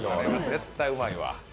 絶対うまいわ。